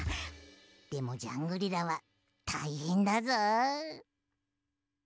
でもジャングリラはたいへんだぞ。